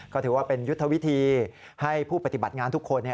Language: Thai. ก็ถือว่าเป็นยุทธวิธีให้ผู้ปฏิบัติงานทุกคน